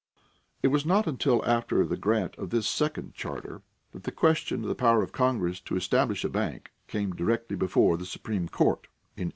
It was not until after the grant of this second charter that the question of the power of Congress to establish a bank came directly before the Supreme Court in 1819.